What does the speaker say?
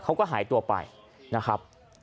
เขาก็หายตัวไปนะครับ